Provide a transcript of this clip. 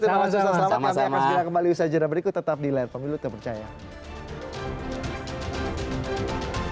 terima kasih ustaz selamet